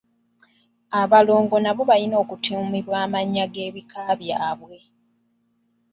Abalongo nabo balina okutuumibwa amannya g’ebika byabwe.